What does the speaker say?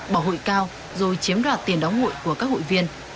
bỏ hội cao rồi chiếm đoạt tiền đóng hụi của các hụi viên